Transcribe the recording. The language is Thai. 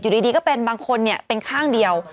ดีก็เป็นบางคนเป็นข้างเดียว